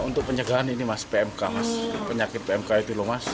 untuk pencegahan ini mas pmk mas penyakit pmk itu loh mas